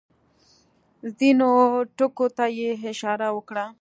ځینو ټکو ته یې اشاره وکړه.